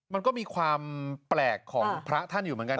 มันก็มีความแปลกของพระท่านอยู่เหมือนกัน